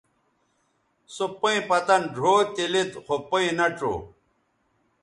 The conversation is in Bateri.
سو پئیں پتَن ڙھؤ تے لید خو پئیں نہ ڇؤ